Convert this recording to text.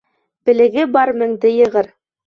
Белеге бар меңде йығыр.